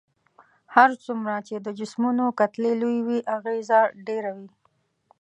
هر څومره چې د جسمونو کتلې لويې وي اغیزه ډیره وي.